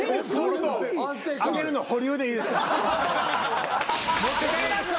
あげるの保留でいいですか？